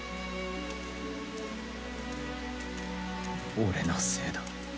俺のせいだ。